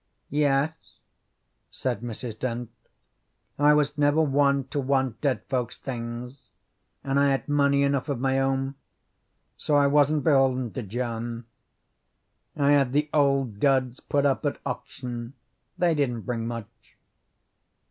"Yes," said Mrs. Dent; "I was never one to want dead folks' things, and I had money enough of my own, so I wasn't beholden to John. I had the old duds put up at auction. They didn't bring much."